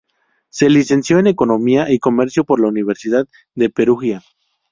Se licenció en Economía y Comercio por la Universidad de Perugia.